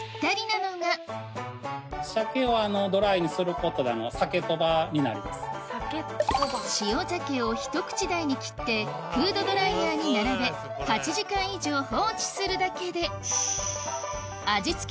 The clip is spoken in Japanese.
この他塩鮭をひと口大に切ってフードドライヤーに並べ８時間以上放置するだけで味付け